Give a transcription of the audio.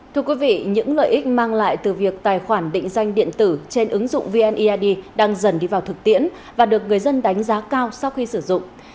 thưa quý vị những lợi ích mang lại từ việc tài khoản định danh điện tử trên ứng dụng vneid đang dần đi vào thực tiễn và được người dân đánh giá cao sau khi sử dụng